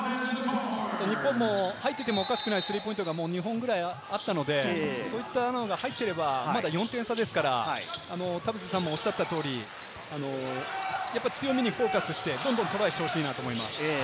日本も入っていてもおかしくないスリーポイントが２本くらいあったので、そういうのが入っていれば４点差ですから、田臥さんも言った通り、強みにフォーカスして、どんどんトライしてほしいなと思います。